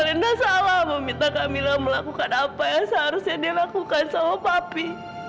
alenda salah meminta kamila melakukan apa yang seharusnya dia lakukan sama papi